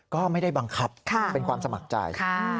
ก็ไม่ได้บังคับเป็นความสมัครใจ